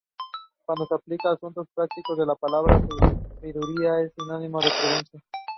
It is contested in two divisions.